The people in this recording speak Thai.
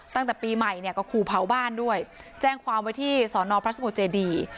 ตั้งแต่ปีใหม่เนี่ยก็ขู่เผาบ้านด้วยแจ้งความไว้ที่สอนอพระสมุทรเจดี